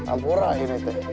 ampura ini teh